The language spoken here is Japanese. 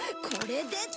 これで。